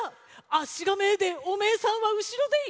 あっしがめえでおめえさんはうしろでい！